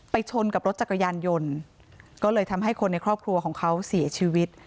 ชนกับรถจักรยานยนต์ก็เลยทำให้คนในครอบครัวของเขาเสียชีวิต